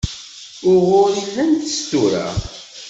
Uɣur i llant tsura?